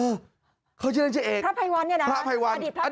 เออเขาชื่อเล่นชื่อเอกพระพัยวัลเนี่ยนะพระพัยวัลอดีตพระพัยวัล